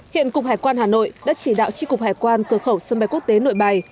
hiện cục hải quan hà nội đã chỉ đạo tri cục hải quan cửa khẩu sân bay quốc tế nội bài